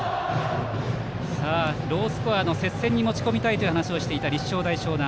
ロースコアの接戦に持ち込みたいという話をしていた立正大淞南。